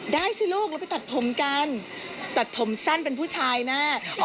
สิลูกเราไปตัดผมกันตัดผมสั้นเป็นผู้ชายนะ